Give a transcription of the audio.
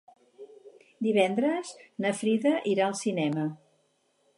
Divendres na Frida irà al cinema.